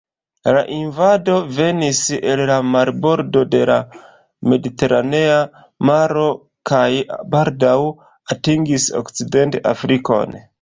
La invado venis el la marbordo de la Mediteranea maro kaj baldaŭ atingis Okcident-Afrikon.